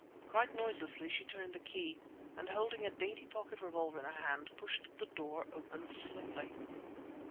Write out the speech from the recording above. Quite noiselessly she turned the key, and holding a dainty pocket revolver in her hand, pushed the door open slowly!